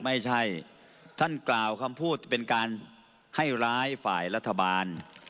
ไม่ใช่ท่านกล่าวคำพูดเป็นการให้ร้ายฝ่ายรัฐบาล